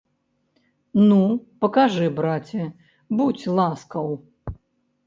Ну, пакажы, браце, будзь ласкаў.